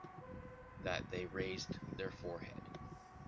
That they raised their forehead.